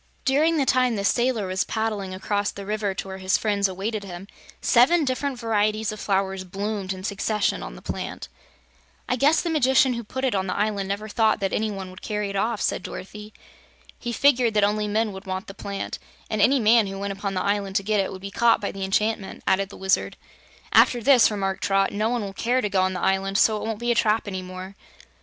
During the time the sailor was paddling across the river to where his friends awaited him, seven different varieties of flowers bloomed in succession on the plant. "I guess the Magician who put it on the island never thought that any one would carry it off," said Dorothy. "He figured that only men would want the plant, and any man who went upon the island to get it would be caught by the enchantment," added the Wizard. "After this," remarked Trot, "no one will care to go on the island, so it won't be a trap any more."